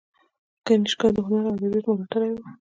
کنیشکا د هنر او ادبیاتو ملاتړی و